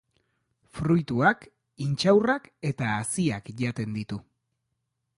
Fruituak, intxaurrak eta haziak jaten ditu.